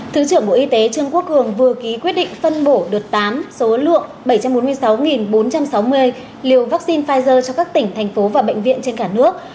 thứ trưởng bộ y tế trương quốc cường vừa ký quyết định phân bổ đợt tám số lượng bảy trăm bốn mươi sáu bốn trăm sáu mươi liều vaccine pfizer cho các tỉnh thành phố và bệnh viện trên cả nước